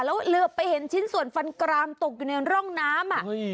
แล้วเหลือไปเห็นชิ้นส่วนฟันกรามตกอยู่ในร่องน้ำ